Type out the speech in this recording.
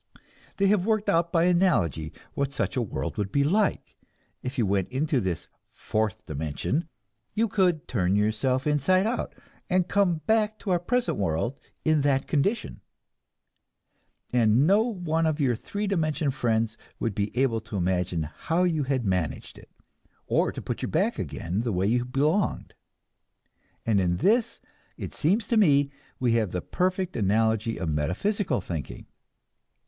They have worked out by analogy what such a world would be like. If you went into this "fourth dimension," you could turn yourself inside out, and come back to our present world in that condition, and no one of your three dimension friends would be able to imagine how you had managed it, or to put you back again the way you belonged. And in this, it seems to me, we have the perfect analogy of metaphysical thinking.